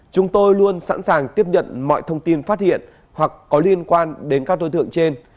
chúng tôi luôn sẵn sàng tiếp nhận mọi thông tin phát hiện hoặc có liên quan đến các đối tượng trên